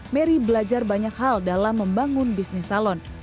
mary belajar banyak hal dalam membangun bisnis salon